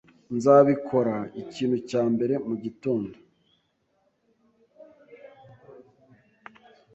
Nzabikora ikintu cya mbere mugitondo.